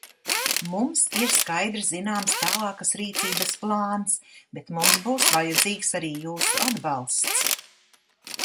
Mums ir skaidri zināms tālākas rīcības plāns, bet mums būs vajadzīgs arī jūsu atbalsts.